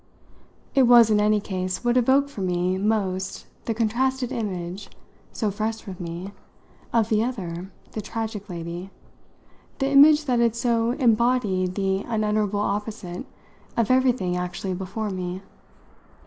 It was in any case what evoked for me most the contrasted image, so fresh with me, of the other, the tragic lady the image that had so embodied the unutterable opposite of everything actually before me.